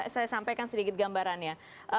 saya sampaikan sedikit gambarannya